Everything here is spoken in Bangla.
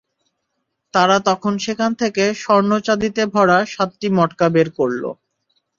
তারা তখন সেখান থেকে স্বর্ণ চাঁদিতে ভরা সাতটি মটকা বের করল।